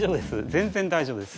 全然大丈夫です。